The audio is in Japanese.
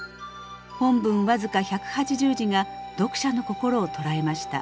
本文僅か１８０字が読者の心を捉えました。